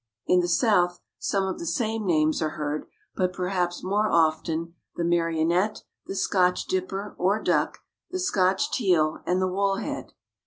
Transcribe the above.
In the South some of the same names are heard, but perhaps more often the Marionette, the Scotch dipper, or duck, the Scotch teal and the Wool head.